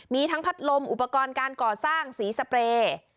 มีทั้งพัดลมอุปกรณ์การก่อสร้างสีสเปรย์